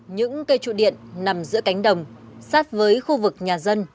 những cây trụ điện nằm giữa cánh đồng sát với khu vực nhà dân